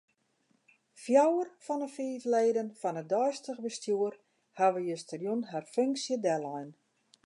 Fjouwer fan 'e fiif leden fan it deistich bestjoer hawwe justerjûn har funksje dellein.